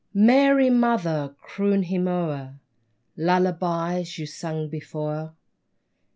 Mary, Mother, croon him o'er Lullabies you sang before !